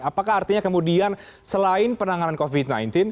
apakah artinya kemudian selain penanganan covid sembilan belas